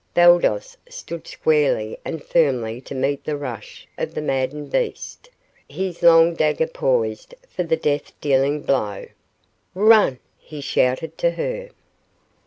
Baldos stood squarely and firmly to meet the rush of the maddened beast, his long dagger poised for the death dealing blow. "Run!" he shouted to her.